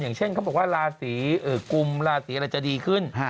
อย่างเช่นเขาบอกว่าราศีกุมราศีอะไรจะดีขึ้น